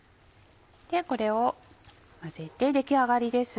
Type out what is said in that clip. これを混ぜて出来上がりです。